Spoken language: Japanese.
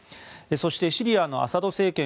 そしてシリアのアサド政権